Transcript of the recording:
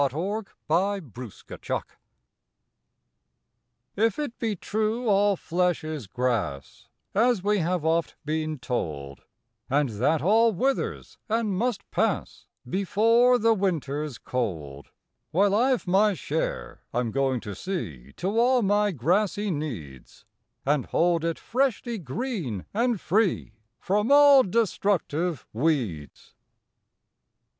March Fifth WEEDLESS TF it be true "all flesh is grass," As we have oft been told, And that all withers and must pass Before the winter s cold, While I ve my share I m going to see To all my grassy needs, And hold it freshly green, and free From all destructive weeds.